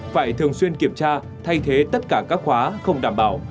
phải thường xuyên kiểm tra thay thế tất cả các khóa không đảm bảo